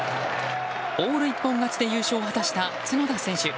オール一本勝ちで優勝を果たした角田選手。